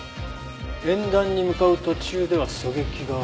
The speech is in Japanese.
演壇に向かう途中では狙撃が不可能。